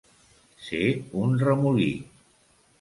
Ser un remolí.